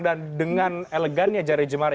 dan dengan elegan ya jari jemara